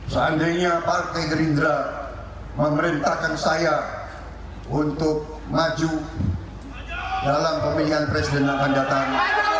seandainya partai gerindra memerintahkan saya untuk maju dalam pemilihan presiden yang akan datang